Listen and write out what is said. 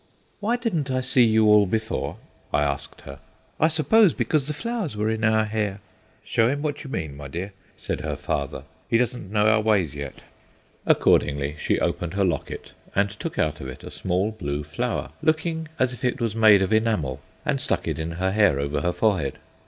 "Why didn't I see you before?" I asked her. "I suppose because the flowers were in our hair." "Show him what you mean, my dear," said her father. "He doesn't know our ways yet." Accordingly she opened her locket and took out of it a small blue flower, looking as if it was made of enamel, and stuck it in her hair over her forehead.